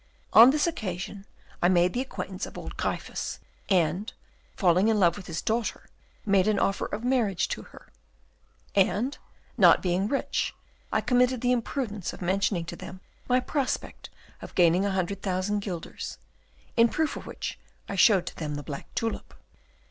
On this occasion I made the acquaintance of old Gryphus, and, falling in love with his daughter, made an offer of marriage to her; and, not being rich, I committed the imprudence of mentioning to them my prospect of gaining a hundred thousand guilders, in proof of which I showed to them the black tulip.